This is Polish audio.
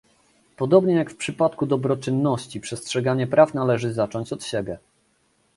Podobnie jak w przypadku dobroczynności, przestrzeganie praw należy zacząć od siebie